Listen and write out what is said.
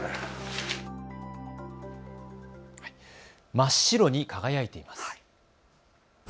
真っ白に輝いています。